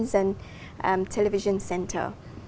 trường tài liệu